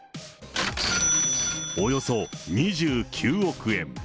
およそ２９億円。